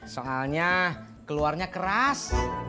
soalnya keluarnya keras